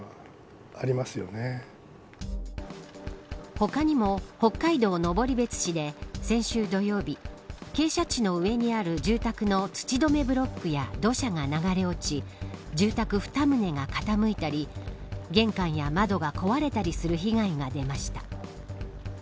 他にも、北海道登別市で先週土曜日傾斜地の上にある住宅の土留めブロックや土砂が流れ落ち住宅２棟が傾いたり玄関や窓が壊れたりする被害が出ました。